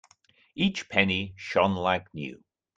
Each penny shone like new.